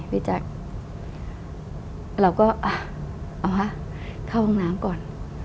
พี่แจ๊คเราก็อ่ะเอาฮะเข้าห้องน้ำก่อน